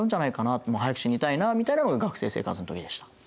って「早く死にたいな」みたいなのが学生生活の時でした。